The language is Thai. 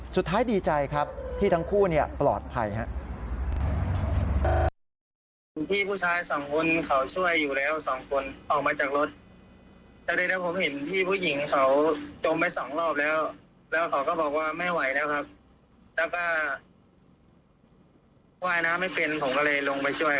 สุดท้ายดีใจครับที่ทั้งคู่ปลอดภัยครับ